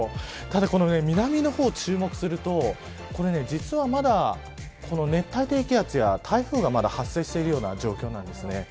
ただ南の方注目すると実はまだ熱帯低気圧や台風がまだ発生している状況なんですね。